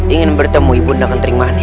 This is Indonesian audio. ingin bertemu ibu ndang kenterik manik